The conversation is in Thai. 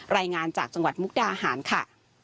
รายงานจากจังหวัดมุกดาหารค่ะ